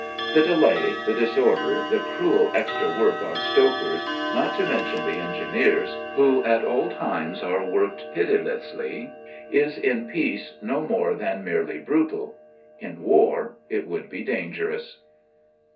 The delay, the disorder, the cruel extra work on stokers, not to mention the engineers, who at all times are worked pitilessly, is in Peace no more than merely brutal. In war it would be dangerous.